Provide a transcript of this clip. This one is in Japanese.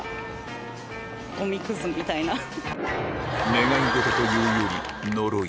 願い事というより呪い